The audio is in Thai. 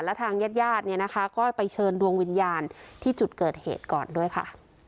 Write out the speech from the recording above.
และทางญาติญาติเนี่ยนะคะก็ไปเชิญดวงวิญญาณที่จุดเกิดเหตุก่อนด้วยค่ะ